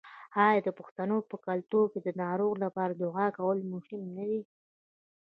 آیا د پښتنو په کلتور کې د ناروغ لپاره دعا کول مهم نه دي؟